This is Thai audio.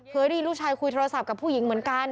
เคยได้ยินลูกชายคุยโทรศัพท์กับผู้หญิงเหมือนกัน